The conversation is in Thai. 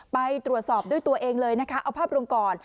ไปตรวจสอบด้วยตัวเองเลยนะคะเอาภาพรวมก่อน